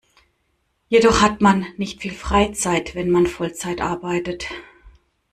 Jedoch hat man nicht viel Freizeit, wenn man Vollzeit arbeitet.